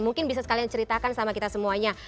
mungkin bisa sekalian ceritakan sama kita semuanya